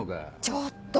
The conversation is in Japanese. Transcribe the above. ちょっと！